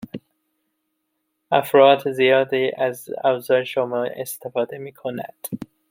افراد زیادی از ابزار شما استفاده میکنند